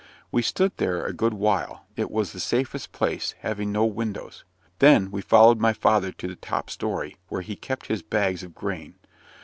We stood there a good while it was the safest place, having no windows. Then we followed my father to the top story, where he kept his bags of grain.